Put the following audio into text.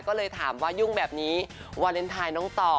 ก็เลยถามว่ายุ่งแบบนี้วาเลนไทยน้องต่อ